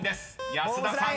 ［保田さん